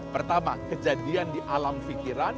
pertama kejadian di alam pikiran